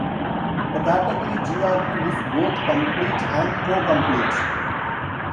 The category Grp is both complete and co-complete.